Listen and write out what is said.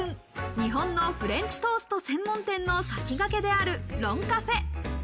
日本のフレンチトースト専門店の先駆けであるＬＯＮＣＡＦＥ。